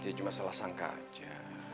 ya cuma salah sangka aja